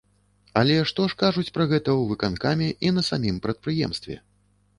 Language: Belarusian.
Але ж што кажуць пра гэта ў выканкаме і на самім прадпрыемстве?